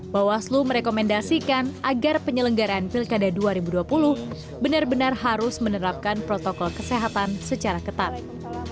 bawaslu merekomendasikan agar penyelenggaraan pilkada dua ribu dua puluh benar benar harus menerapkan protokol kesehatan secara ketat